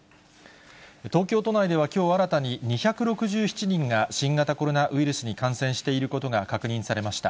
東京都内ではきょう新たに２６７人が新型コロナウイルスに感染していることが確認されました。